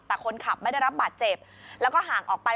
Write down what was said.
แต่คนขับไม่ได้รับบาดเจ็บแล้วก็ห่างออกไป